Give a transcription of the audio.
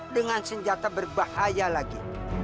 dengan senjata berbahaya lagi